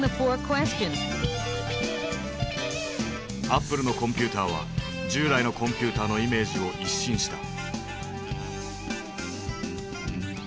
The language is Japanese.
アップルのコンピューターは従来のコンピューターのイメージを一新した。